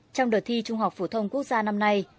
trong đợt thi trung học phổ thông quốc gia năm nay